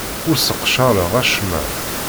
Ur sseqcareɣ acemma.